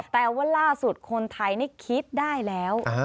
แต่ว่าล่าสุดคนไทยนี่คิดได้แล้ว